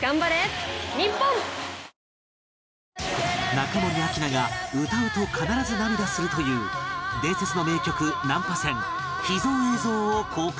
中森明菜が歌うと必ず涙するという伝説の名曲『難破船』秘蔵映像を公開